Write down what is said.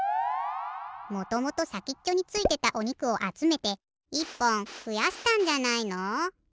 もともとさきっちょについてたおにくをあつめて１ぽんふやしたんじゃないの？